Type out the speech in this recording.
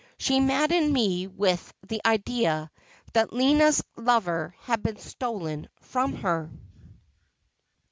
' She maddened me with the idea that Lina's lover had been stolen from her.'